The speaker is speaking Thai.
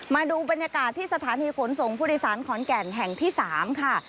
มาดูบรรยากาศที่สถานีขนส่งผู้โดยสารขอนแก่นแห่งที่๓ค่ะ